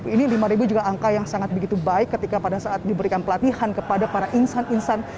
ini lima juga angka yang sangat begitu baik ketika pada saat diberikan pelatihan kepada para insan insan